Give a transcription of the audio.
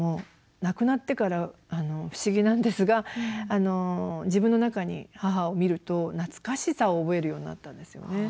亡くなってから不思議なんですが自分の中に母を見ると懐かしさを覚えるようになったんですよね。